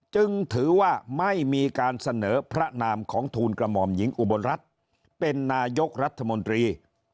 จึงถือว่าไม่มีการเสนอพระนามของทูลกระหม่อมหญิงอุบลรัฐเป็นนายกรัฐมนตรี